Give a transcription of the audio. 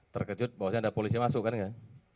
terkejut bahwasannya ada polisi masuk kan kan